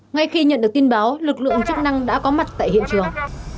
ngay khi nhận được tin báo lực lượng chức năng đã có mặt tại hiện trường